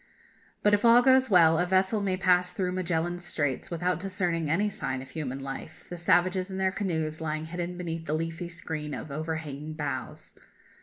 But if all goes well, a vessel may pass through Magellan's Straits without discerning any sign of human life, the savages and their canoes lying hidden beneath the leafy screen of overhanging boughs.